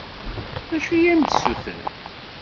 D acu i am-d-ssutren?